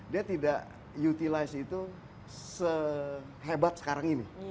dia tidak utilize itu sehebat sekarang ini